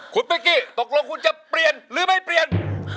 คุณเป๊กกี้ตกลงคุณจะเปลี่ยนหรือไม่เปลี่ยน